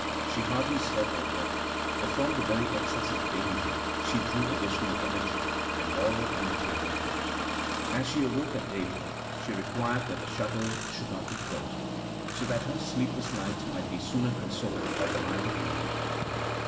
She hardly slept or ate; but from the very excess of danger she drew additional energy, and moral and material force. As she awoke at daybreak, she required that the shutters should not be closed, so that her sleepless nights might be sooner consoled by the light of morning.